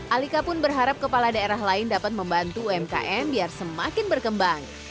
alika pun berharap kepala daerah lain dapat membantu umkm biar semakin berkembang